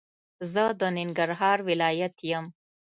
زه د ننګرهار ولايت يم